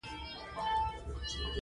خوب د سحر خوږوالی زیاتوي